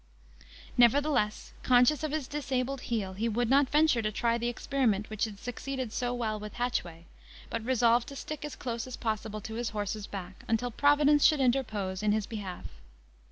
Nevertheless, conscious of his disabled heel, he would not venture to try the experiment which had succeeded so well with Hatchway but resolved to stick as close as possible to his horse's back, until Providence should interpose in his behalf.